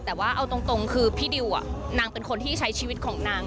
แต่ว่าเอาตรงคือพี่ดิวนางเป็นคนที่ใช้ชีวิตของนาง